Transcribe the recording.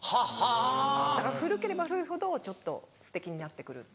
だから古ければ古いほどちょっとすてきになって来る。